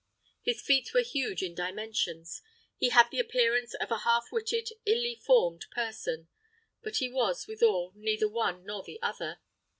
His feet were huge in dimensions. He had the appearance of a half witted, illy formed person; but he was, withal, neither one nor the other.